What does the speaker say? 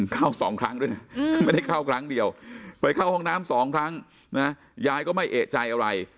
สองครั้งด้วยนะไม่ได้เข้าครั้งเดียวไปเข้าห้องน้ำสองครั้งนะยายก็ไม่เอกใจอะไร